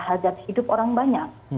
harga hidup orang banyak